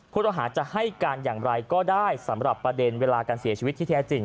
ผู้ต้องหาจะให้การอย่างไรก็ได้สำหรับประเด็นเวลาการเสียชีวิตที่แท้จริง